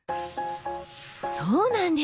そうなんです。